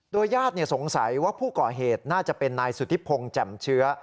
ญาติสงสัยว่าผู้ก่อเหตุน่าจะเป็นนายสุธิพงศ์แจ่มเชื้อ